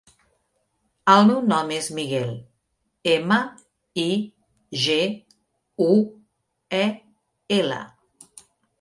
El meu nom és Miguel: ema, i, ge, u, e, ela.